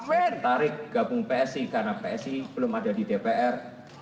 saya tarik gabung psi karena psi belum ada di dpr